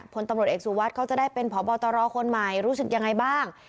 พตเอกสุวัตรก็จะได้เป็นพบตรคนใหม่รู้สึกยังไงบ้าง